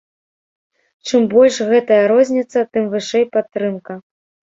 Чым больш гэтая розніца, тым вышэй падтрымка.